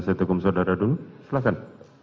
mau mengajukan pembelaan